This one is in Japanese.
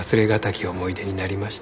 思い出になりました。